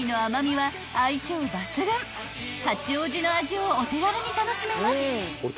［八王子の味をお手軽に楽しめます］